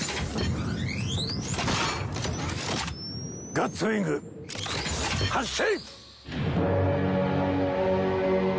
ガッツウイング発進！